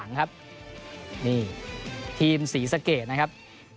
นี่ทีมศรีสะเกดนะครับ